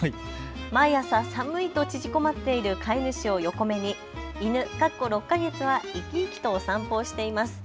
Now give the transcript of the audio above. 毎朝寒いと縮こまっている飼い主を横目に犬は生き生きとお散歩をしています。